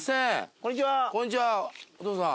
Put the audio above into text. こんにちはおとうさん。